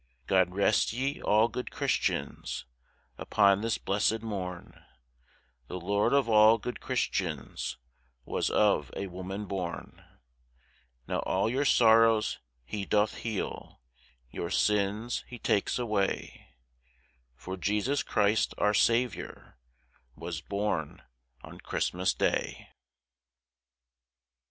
God rest ye, all good Christians; upon this blessed morn The Lord of all good Christians was of a woman born: Now all your sorrows He doth heal, your sins He takes away; For Jesus Christ, our Saviour, was born on Christmas day.